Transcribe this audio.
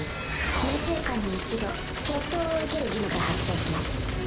２週間に１度決闘を受ける義務が発生します。